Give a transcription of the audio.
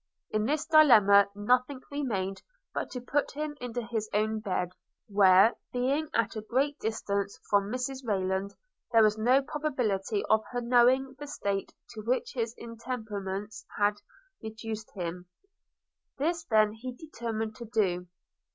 In this dilemma nothing remained but to put him into his own bed; where being at a great distance from Mrs Rayland, there was no probability of her knowing the state to which his intemperance had reduced him. This then he determined to do.